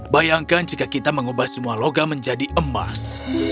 bayangkan jika kita mengubah semua logam menjadi emas